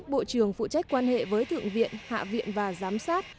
bộ trưởng phụ trách quan hệ với thượng viện hạ viện và giám sát